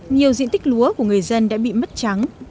nhiều diện tích lúa của người dân đã bị mất trắng